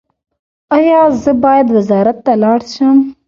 ایا زه باید وزارت ته لاړ شم؟